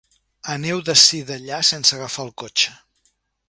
Aneu d'ací d'allà sense agafar el cotxe.